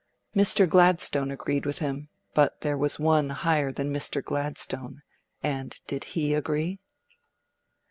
Mr. Gladstone agreed with him; but there was One higher than Mr. Gladstone, and did He agree?